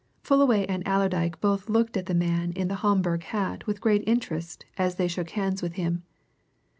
Fullaway and Allerdyke both looked at the man in the Homburg hat with great interest as they shook hands with him.